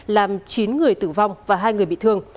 làm chín người tử vong và hai người bị thương